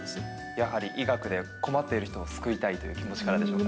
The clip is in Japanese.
やはり、医学で困っている人を救いたいという気持ちからでしょうか？